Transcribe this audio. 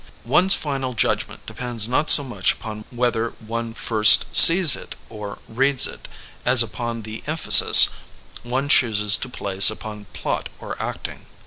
One's final judgment de pends not so much upon whether one first sees it or reads it, as upon the emphasis one chooses to place upon plot or acting.